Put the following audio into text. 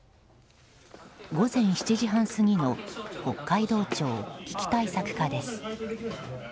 午前７時半過ぎの北海道庁危機対策課です。